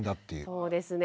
そうですね。